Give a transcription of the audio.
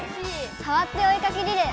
「さわってお絵かきリレー」